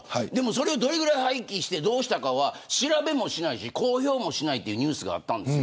それをどれぐらい廃棄してどうしたかは調べもしないし公表もしないというニュースがあったんです。